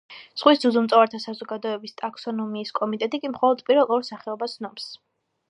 ზღვის ძუძუმწოვართა საზოგადოების ტაქსონომიის კომიტეტი კი მხოლოდ პირველ ორ სახეობას ცნობს.